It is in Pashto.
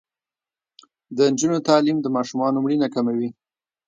د نجونو تعلیم د ماشومانو مړینه کموي.